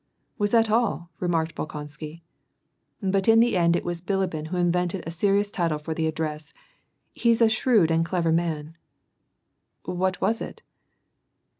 <' Was that all ?" remarked Bolkonsky. '^ But in the end it was Bilibin who invented a serious title for the address. He's a shrewd and clever man !" "What was it?''